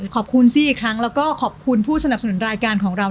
ขอบคุณซี่อีกครั้งแล้วก็ขอบคุณผู้สนับสนุนรายการของเรา